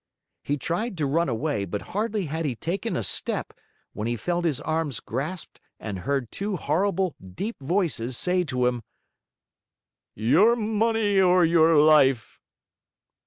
He tried to run away, but hardly had he taken a step, when he felt his arms grasped and heard two horrible, deep voices say to him: "Your money or your life!"